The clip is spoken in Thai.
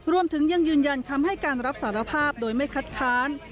รวมถึงยังยืนยันคำให้การรับสารภาพโดยไม่คัดค้าน